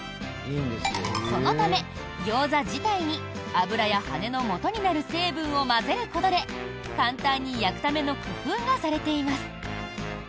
そのため、ギョーザ自体に油や羽根のもとになる成分を混ぜることで簡単に焼くための工夫がされています。